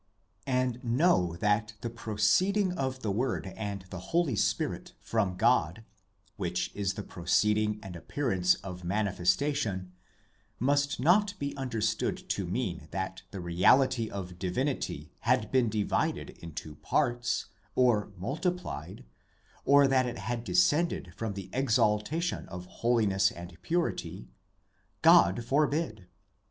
And know that the proceeding of the Word and the Holy Spirit from God, which is the proceeding and appearance of manifestation, must not be understood to mean that the Reality of Divinity had been divided into parts, or multiplied, or that it had descended from the exaltation of holiness and purity. God forbid!